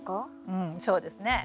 うんそうですね。